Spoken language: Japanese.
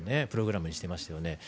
プログラムにしてましたよね。